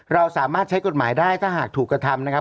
เราสามารถใช้กฎหมายได้ถ้าหากถูกกระทำนะครับ